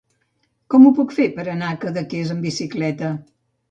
Com ho puc fer per anar a Cadaqués amb bicicleta?